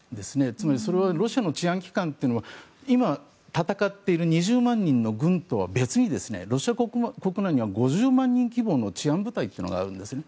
つまりそれはロシアの治安機関は今戦っている２０万人の軍とは別にロシア国内には５０万人規模の治安部隊というのがあるんですね。